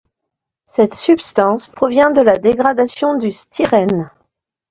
Cette substance provient de la dégradation du styrène.